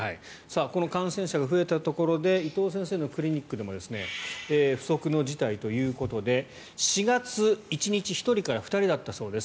感染者が増えたところで伊藤先生のクリニックでも不測の事態ということで４月、１日１人から２人だったそうです。